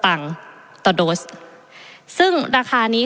ประเทศอื่นซื้อในราคาประเทศอื่น